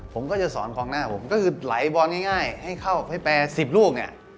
ผมก็จะสอนคล้องหน้าผมก็คือหลายบอลง่ายให้แปร๑๐ลูก